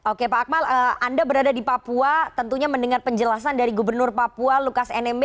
oke pak akmal anda berada di papua tentunya mendengar penjelasan dari gubernur papua lukas nmb